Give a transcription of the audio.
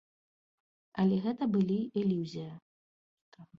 Але гэта былі ілюзія.